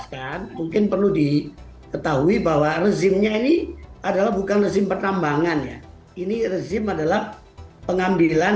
ketahui bahwa rezimnya ini adalah bukan rezim pertambangan ya ini rezim adalah pengambilan